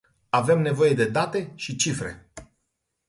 Avem nevoie de date și cifre.